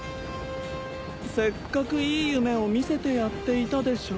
せっかくいい夢を見せてやっていたでしょう？